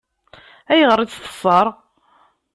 Ayɣer i tt-teṣṣeṛ?